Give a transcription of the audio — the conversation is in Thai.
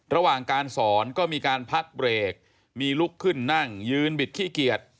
ระหว่างการสอนก็มีการพักเบรกมีลุกขึ้นนั่งยืนบิดขี้เกียจ